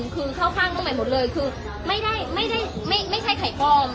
คือเข้าข้างต้องไหมหมดเลยคือไม่ได้ไม่ได้ไม่ไม่ใช่ไข่ปลอม